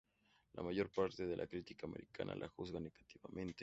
La mayor parte de la crítica americana la juzga negativamente.